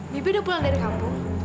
bibi udah pulang dari kampung